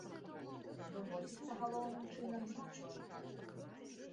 Выводзіцца, галоўным чынам, з мачой.